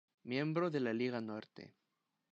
Miembro de la Liga Norte.